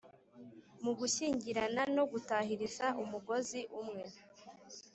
mu gushyigikirana no gutahiriza umugozi umwe